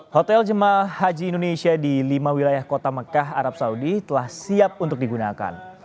hotel jemaah haji indonesia di lima wilayah kota mekah arab saudi telah siap untuk digunakan